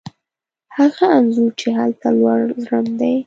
هغه انځور چې هلته لوړ ځوړند دی